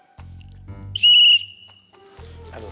pokoknya sama aja gak boleh